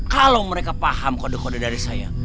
kalau mereka paham kode kode dari saya